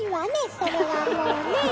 それはもうね。